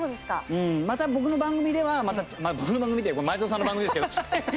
また僕の番組では、僕の番組って前園さんの番組ですけど。